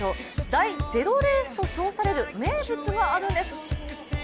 第０レースと評される名物があるんです。